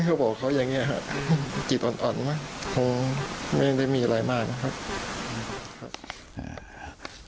เขาบอกเขาอย่างนี้ครับจิตอ่อนไหมคงไม่ได้มีอะไรมากนะครับ